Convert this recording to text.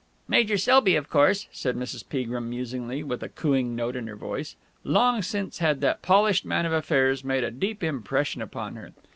"Major Selby, of course," said Mrs. Peagrim musingly, with a cooing note in her voice. Long since had that polished man of affairs made a deep impression upon her.